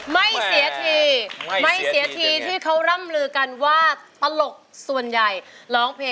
ไม่เสียทีไม่เสียทีที่เขาร่ำลือกันว่าตลกส่วนใหญ่ร้องเพลง